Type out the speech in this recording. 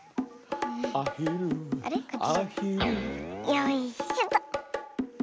よいしょと。